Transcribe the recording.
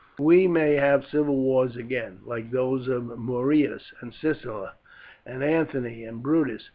We may have civil wars again, like those of Marius and Scylla, and Anthony and Brutus.